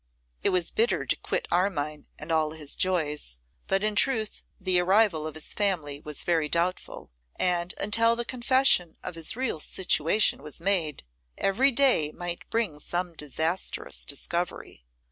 It was bitter to quit Armine and all his joys, but in truth the arrival of his family was very doubtful: and, until the confession of his real situation was made, every day might bring some disastrous discovery.